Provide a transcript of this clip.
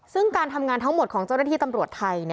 ซึ่งการทำงานทั้งหมดของเจ้าหน้าที่ตำรวจไทย